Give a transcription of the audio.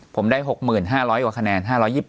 ผมได้๖๕๐๐กว่าคะแนน๕๒๘